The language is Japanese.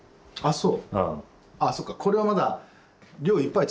そう。